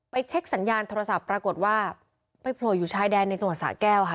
เช็คสัญญาณโทรศัพท์ปรากฏว่าไปโผล่อยู่ชายแดนในจังหวัดสะแก้วค่ะ